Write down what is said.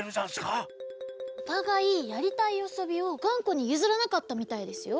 おたがいやりたいあそびをがんこにゆずらなかったみたいですよ。